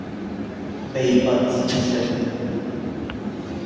悲不自勝